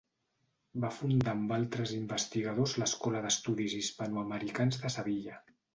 Va fundar amb altres investigadors l'Escola d'Estudis Hispanoamericans de Sevilla.